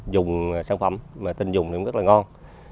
dùng sản phẩm tình dùng rất là ngon